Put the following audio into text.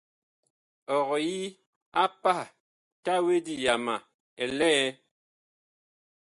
Ɔg yi a pah tawedi yama ɛ lɛ ?